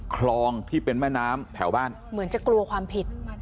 คลองที่เป็นแม่น้ำแถวบ้านเหมือนจะกลัวความผิด